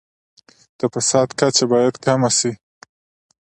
د فساد کچه باید کمه شي.